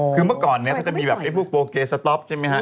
คือเมื่อก่อนเนี่ยจะมีแบบไอ้ผู้โปรเกย์สต๊อปใช่มั้ยฮะ